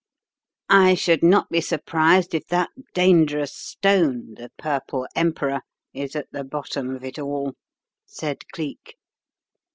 "I should not be surprised if that dangerous stone, the Purple Emperor, is at the bottom of it all," said Cleek.